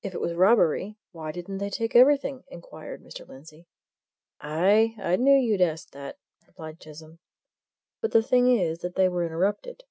"If it was robbery, why didn't they take everything?" inquired Mr. Lindsey. "Aye, I knew you'd ask that," replied Chisholm. "But the thing is that they were interrupted.